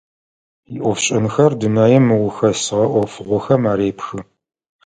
Иӏофшӏэнхэр дунэе мыухэсыгъэ ӏофыгъохэм арепхы.